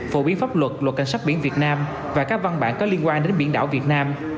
phổ biến pháp luật luật cảnh sát biển việt nam và các văn bản có liên quan đến biển đảo việt nam